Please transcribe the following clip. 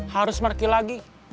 harus markir lagi